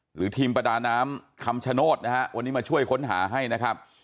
หรือทีมประดาน้ำคำชโนธนะฮะวันนี้มาช่วยค้นหาให้นะครับ